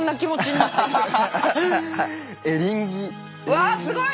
わっすごい！